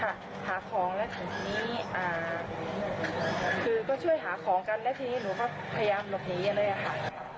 หาของแล้วถึงทีนี้อ่าคือก็ช่วยหาของกันแล้วทีนี้หนูก็พยายามหลบหนีเลยค่ะ